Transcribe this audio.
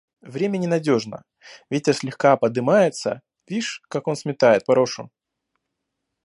– Время ненадежно: ветер слегка подымается; вишь, как он сметает порошу.